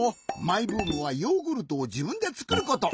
マイブームはヨーグルトをじぶんでつくること。